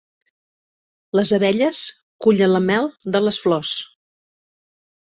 Les abelles cullen la mel de les flors.